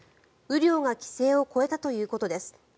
雨量が規制を超えたということです。